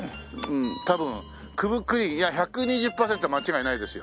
多分九分九厘いや１２０パーセント間違いないですよ。